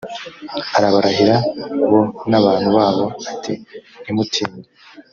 arabarahira bo n abantu babo ati ntimutinye